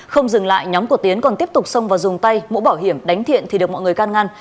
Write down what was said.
không dừng lại nhóm của tiến còn tiếp tục xông vào dùng tay mũ bảo hiểm đánh thiện thì được mọi người can ngăn